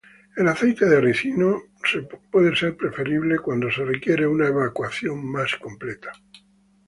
El aceite de ricino puede ser preferible cuando se requiere una evacuación más completa.